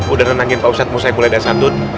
udah nenangin pak ustadz mau saya kuledah santun